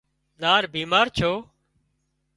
زار بيمار ڇو